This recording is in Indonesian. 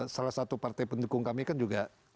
salah satu partai pendukung kami kan juga